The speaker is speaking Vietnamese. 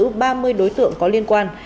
tăng vật thu giữ ba mươi đối tượng có liên quan